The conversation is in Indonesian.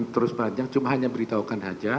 terus panjang cuma hanya beritahukan saja